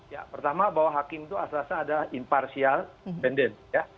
ya pertama bahwa hakim itu asal asalnya adalah impartial pendek